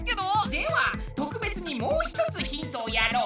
では特別にもう一つヒントをやろう。